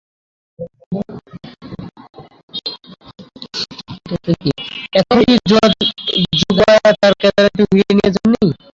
এমন-কি, যোগমায়া তাঁর কেদারাটিও ফিরিয়ে নিয়ে যান নি।